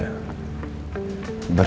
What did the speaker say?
berhenti menyalahkan bisher